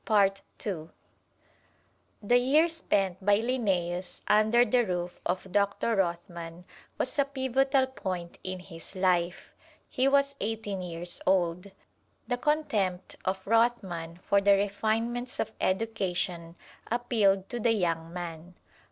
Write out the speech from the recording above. The year spent by Linnæus under the roof of Doctor Rothman was a pivotal point in his life. He was eighteen years old. The contempt of Rothman for the refinements of education appealed to the young man.